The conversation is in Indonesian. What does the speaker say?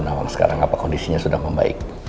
anak anak sekarang apa kondisinya sudah membaik